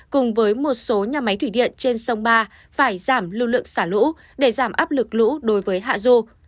cùng với một số nhà máy thủy điện trên sông ba phải giảm lưu lượng xả lũ để giảm áp lực lũ đối với hạ du